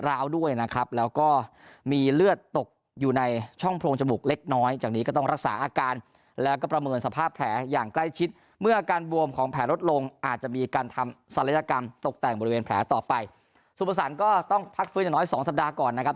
อาจจะมีการทำศัลยกรรมตกแต่งบริเวณแผลต่อไปสุภศัลก็ต้องพักฟื้นอย่าน้อย๒สัปดาห์ก่อนนะครับ